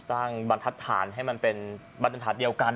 สร้างบันทัศน์ให้มันเป็นบันทัศน์เดียวกัน